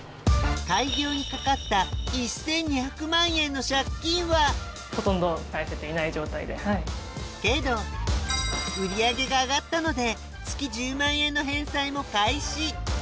開業にかかった１２００万円の借金はけど売り上げが上がったので月１０万円の返済も開始